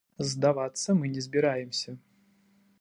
Здавацца мы не зміраемся.